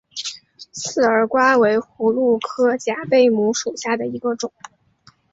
刺儿瓜为葫芦科假贝母属下的一个种。